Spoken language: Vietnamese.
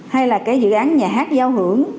hay là cái dự án nhà hát giao hưởng